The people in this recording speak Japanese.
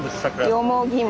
よもぎ餅。